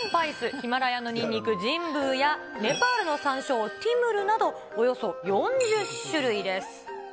ヒマラヤのニンニク、ジンブーや、ネパールの山椒、ティムルなど、およそ４０種類です。